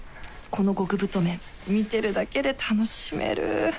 この極太麺見てるだけで楽しめる